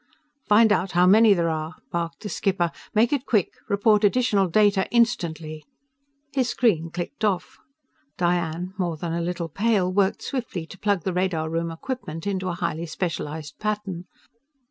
"Find out how many there are!" barked the skipper. "Make it quick! Report additional data instantly!" His screen clicked off. Diane, more than a little pale, worked swiftly to plug the radar room equipment into a highly specialized pattern.